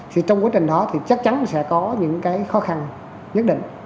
thì trong quá trình đó thì chắc chắn sẽ có những cái khó khăn nhất định